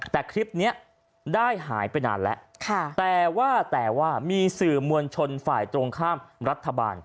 แต่คลิปนี้ได้หายไปนานแล้วแต่ว่าแต่ว่ามีสื่อมวลชนฝ่ายตรงข้ามรัฐบาล